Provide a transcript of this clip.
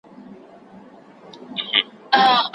ښځي هم په اقتصاد کي مهمه ونډه لري.